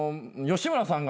吉村さん！